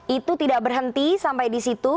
itu tidak berhenti sampai di situ